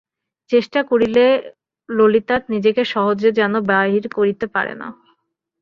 চেষ্টা করিলেও ললিতা নিজেকে সহজে যেন বাহির করিতে পারে না।